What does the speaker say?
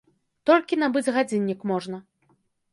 Толькі набыць гадзіннік можна.